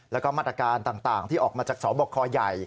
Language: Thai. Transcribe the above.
แล้วก็มาตรการต่างที่ออกมาจากสบคใหญ่